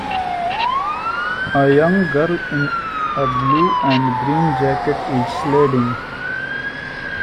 A young girl in a blue and green jacket is sledding.